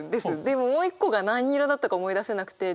でももう一個が何色だったか思い出せなくて。